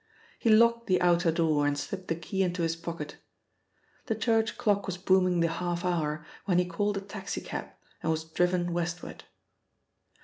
He locked the outer door and slipped the key into his pocket. The church clock was booming the half hour when he called a taxi cab and was driven westward.